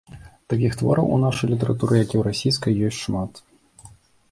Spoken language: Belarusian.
Такіх твораў у нашай літаратуры, як і ў расійскай, ёсць шмат.